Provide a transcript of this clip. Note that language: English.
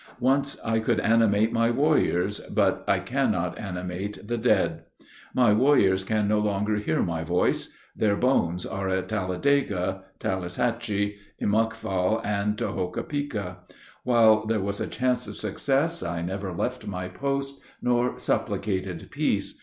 Once I could animate my warriors; but I can not animate the dead. My warriors can no longer hear my voice; their bones are at Talladega, Tallushatchee, Emuckfaw, and Tohopeka. While there was a chance of success, I never left my post, nor supplicated peace.